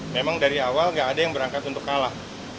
memang dari awal gak ada yang berangkat untuk kalah